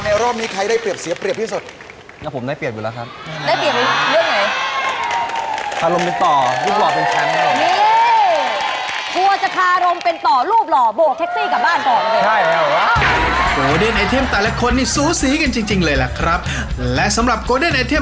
งานงอกเลยดูนี่ขนาดนี้